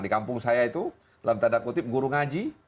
di kampung saya itu lantai ada kutip guru ngaji